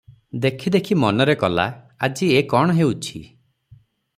ଦେଖି ଦେଖି ମନରେ କଲା, ଆଜି ଏ କଣ ହେଉଛି ।